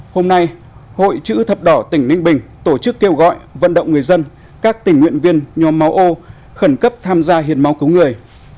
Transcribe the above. hôm nay hội chữ thập đỏ tỉnh ninh bình tổ chức kêu gọi vận động người dân các tình nguyện viên nhóm máu ô khẩn cấp tham gia hiến máu cứu người